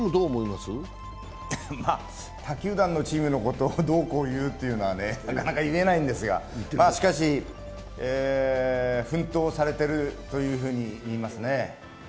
他球団のチームのことをどうこう言うというのはね、なかなか言えないんですが、奮闘されているというふうにみえますね。